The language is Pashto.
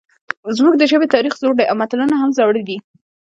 زموږ د ژبې تاریخ زوړ دی او متلونه هم زاړه دي